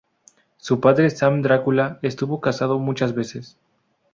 Su padre, Sam Drácula, estuvo casado muchas veces.